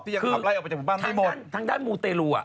ทั้งด้านมูเตลู